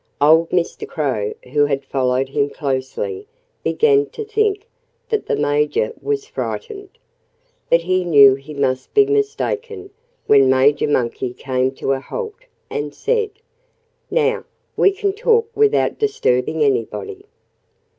Old Mr. Crow, who had followed him closely, began to think that the Major was frightened. But he knew he must be mistaken when Major Monkey came to a halt and said: "Now we can talk without disturbing anybody."